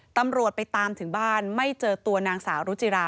ตำรวจไปตามถึงบ้านไม่เจอตัวนางสาวรุจิรา